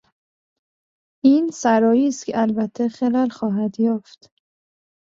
این سرایی است که البته خلل خواهد یافت.